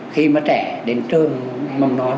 khi mà trẻ đến trường mầm non